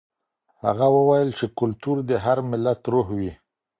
هغه وویل چې کلتور د هر ملت روح وي.